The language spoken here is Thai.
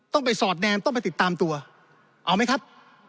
ต้องไปสอดแนมต้องไปติดตามตัวเอาไหมครับ